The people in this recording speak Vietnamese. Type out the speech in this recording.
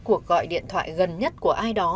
cuộc gọi điện thoại gần nhất của ai đó